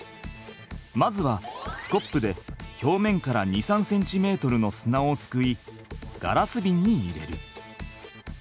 まずはスコップで表面から２３センチメートルの砂をすくいガラスビンに入れる。